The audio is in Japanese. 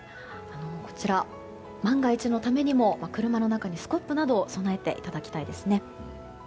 万が一のためにも車の中にスコップなどを備えていただきたいですね。